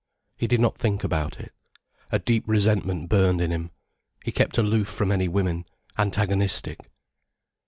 He did not think about it. A deep resentment burned in him. He kept aloof from any women, antagonistic.